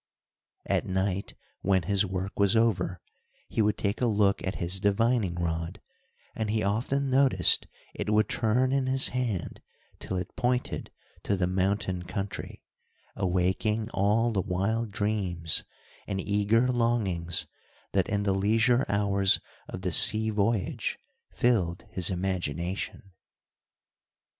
At night, when his work was over, he would take a look at his divining rod, and he often noticed it would turn in his hand, till it pointed to the mountain country, awaking all the wild dreams, and eager longings that in the leisure hours of the sea voyage filled his imagination.